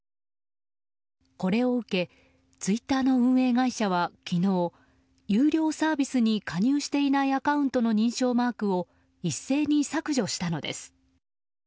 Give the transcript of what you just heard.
これを受けツイッターの運営会社は昨日有料サービスに加入していないアカウントの認証マークを一斉に削除したのです。